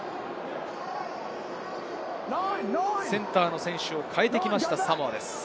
センターの選手を代えてきたサモアです。